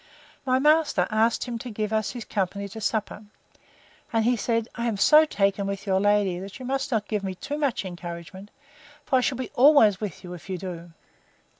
My master asked him to give him his company to supper; and he said, I am so taken with your lady, that you must not give me too much encouragement; for I shall be always with you, if you do.